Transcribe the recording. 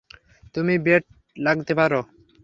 তুমি বেট লাগতে পারো।